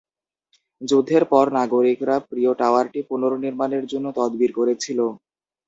যুদ্ধের পর, নাগরিকরা প্রিয় টাওয়ারটি পুনর্নির্মাণের জন্য তদবির করেছিল।